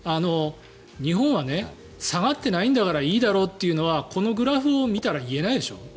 日本は下がってないんだからいいだろうというのはこのグラフを見たら言えないでしょ。